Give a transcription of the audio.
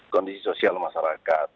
kondisi sosial masyarakat